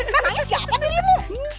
kamu siapkan dirimu